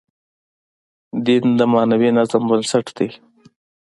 دین د معنوي نظم بنسټ دی.